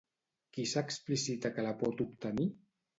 Qui s'explicita que la pot obtenir?